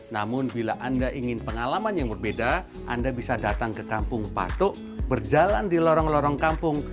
namun bila anda ingin pengalaman yang berbeda anda bisa datang ke kampung patok berjalan di lorong lorong kampung